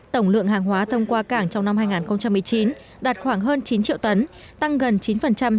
tổng lượng hàng hóa thông qua cảng trong năm hai nghìn một mươi chín đạt khoảng hơn chín triệu tấn tăng gần chín so với năm hai nghìn một mươi tám